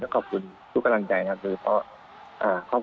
ต้องขอบคุณทุกกำลังใจนะครับ